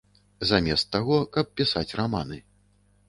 Замест таго, каб пісаць раманы.